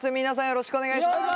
よろしくお願いします。